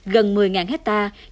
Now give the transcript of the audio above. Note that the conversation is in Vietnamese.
gần một mươi hectare